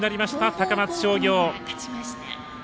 高松商業。